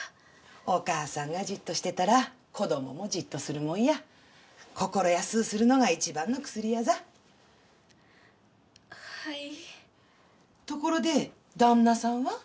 お母さんがじっとしてたら子供もじっとするもんや心安うするのが一番の薬やざはいところで旦那さんは？